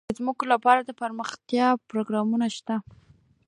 افغانستان کې د ځمکه لپاره دپرمختیا پروګرامونه شته.